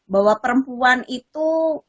bahwa perempuan itu